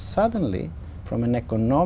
giai đoạn tương lai